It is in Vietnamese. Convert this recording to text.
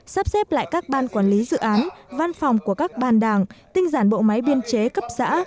sắp xếp lại các ban quản lý dự án văn phòng của các ban đảng tinh giản bộ máy biên chế cấp xã